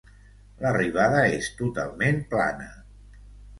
L'arribada és totalment plana.